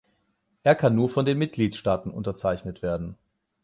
Er kann nur von den Mitgliedstaaten unterzeichnet werden.